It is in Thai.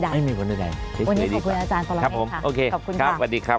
วันนี้ขอบคุณอาจารย์ตลอดเฮ้ยค่ะขอบคุณค่ะครับสวัสดีครับ